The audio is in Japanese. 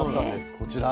こちら。